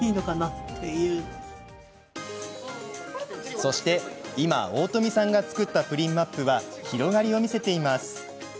そして、今大富さんが作ったプリンマップは広がりを見せています。